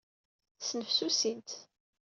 Snefsusin-t.